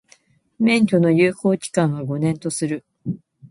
免許の有効期間は、五年とする。